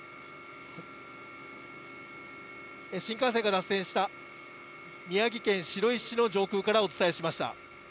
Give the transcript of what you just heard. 新幹線が脱線した、宮城県白石市の上空からお伝えしました。